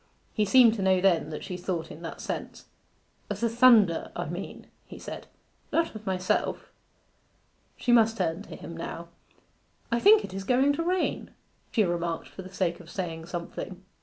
He seemed to know that she thought in that sense. 'Of the thunder, I mean,' he said; 'not of myself.' She must turn to him now. 'I think it is going to rain,' she remarked for the sake of saying something.